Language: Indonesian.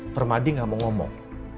permadi gak mau ngomong